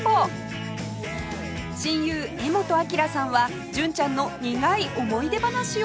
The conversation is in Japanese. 親友柄本明さんは純ちゃんの苦い思い出話を